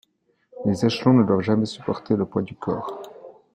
Les échelons ne doivent jamais supporter le poids du corps.